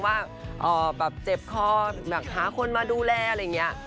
ว่าเจ็บคอหาคนมาดูแลอะไรอย่างนี้วินัย